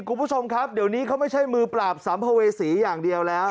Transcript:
คุณผู้ชมครับเดี๋ยวนี้เขาไม่ใช่มือปราบสัมภเวษีอย่างเดียวแล้ว